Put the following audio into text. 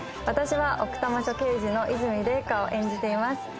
私は奥多摩署刑事の和泉玲香を演じています。